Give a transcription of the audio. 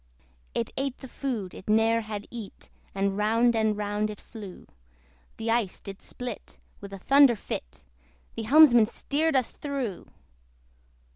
It ate the food it ne'er had eat, And round and round it flew. The ice did split with a thunder fit; The helmsman steered us through!